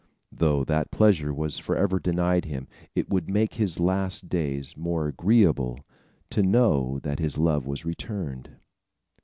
Though that pleasure was forever denied him, it would make his last days more agreeable to know that his love was returned.